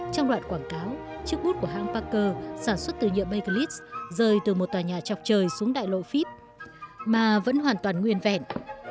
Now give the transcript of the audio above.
trong đoạn quảng cáo chiếc bút của hãng parker sản xuất từ nhựa bakelite rời từ một tòa nhà trọc trời xuống đại lộ phíp mà vẫn hoàn toàn nguyên vẹn